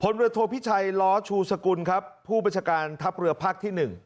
เรือโทพิชัยล้อชูสกุลครับผู้บัญชาการทัพเรือภาคที่๑